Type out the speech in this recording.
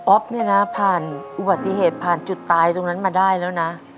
เนี่ยนะผ่านอุบัติเหตุผ่านจุดตายตรงนั้นมาได้แล้วนะ